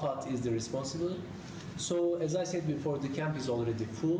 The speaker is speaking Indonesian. jadi seperti saya katakan sebelumnya kamp sudah penuh